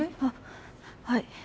あっはい